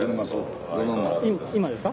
今ですか？